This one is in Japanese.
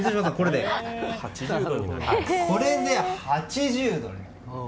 これで８０度。